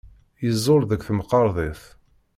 Yeẓẓul deg temkarḍit.